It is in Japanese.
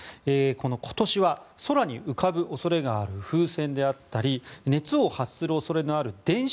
今年は、空に浮かぶ恐れがある風船であったり熱を発する恐れのある電子